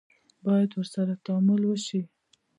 باید ورسره تعامل وشي.